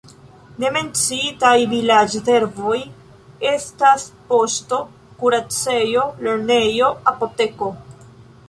Ne menciitaj vilaĝservoj estas poŝto, kuracejo, lernejo, apoteko.